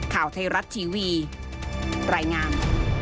ข่าวไทยรัฐทีวีรายงาน